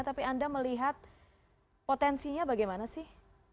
tapi anda melihat potensinya bagaimana sih